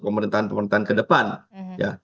pemerintahan pemerintahan kedepan ya